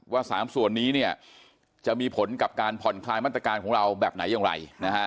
๓ส่วนนี้เนี่ยจะมีผลกับการผ่อนคลายมาตรการของเราแบบไหนอย่างไร